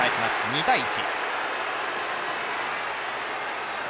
２対１。